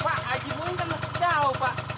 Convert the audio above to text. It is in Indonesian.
pak aji bunga ini kena jauh pak